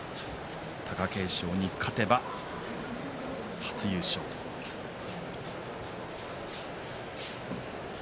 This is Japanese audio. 貴景勝に勝てば初優勝です。